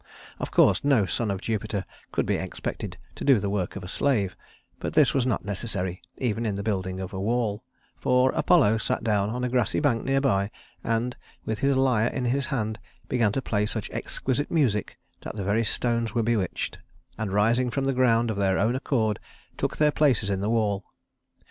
Of course no son of Jupiter could be expected to do the work of a slave, but this was not necessary, even in the building of a wall; for Apollo sat down on a grassy bank near by, and, with his lyre in his hand, began to play such exquisite music that the very stones were bewitched, and rising from the ground of their own accord took their places in the wall.